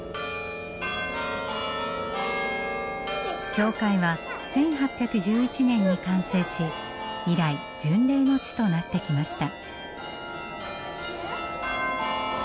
教会は１８１１年に完成し以来巡礼の地となってきました。